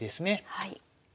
はい。